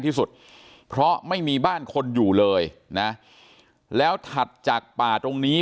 ที่สุดเพราะไม่มีบ้านคนอยู่เลยนะแล้วถัดจากป่าตรงนี้